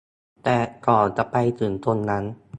แต่ก่อนจะไปถึงตรงนั้น